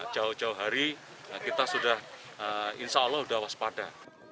jauh jauh hari kita sudah insya allah sudah waspada